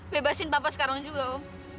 bebasin papa sekarang juga om